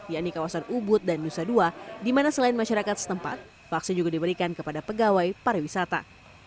yakni kawasan ubud dan nusa dua di mana selain masyarakat setempat vaksin juga diberikan kepada pegawai pariwisata